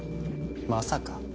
まさか。